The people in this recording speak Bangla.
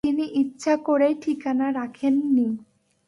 তিনি ইচ্ছা করেই ঠিকানা রাখেন নি।